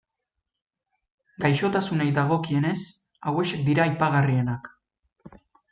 Gaixotasunei dagokienez, hauexek dira aipagarrienak.